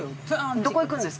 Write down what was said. どこ行くんですか？